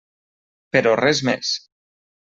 Però res més.